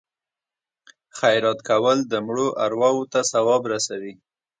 خیرات کول د مړو ارواو ته ثواب رسوي.